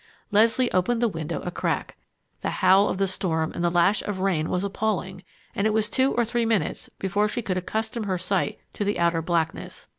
Leslie opened the window a crack. The howl of the storm and the lash of rain was appalling, and it was two or three minutes before she could accustom her sight to the outer blackness.